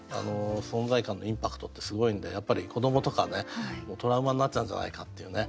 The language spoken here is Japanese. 存在感のインパクトってすごいんでやっぱり子どもとかはトラウマになっちゃうんじゃないかっていうね